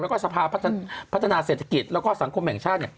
แล้วก็สภาพัฒนาเศรษฐกิจแล้วก็สังคมแห่งชาติ